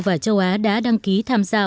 và châu á đã đăng ký tham gia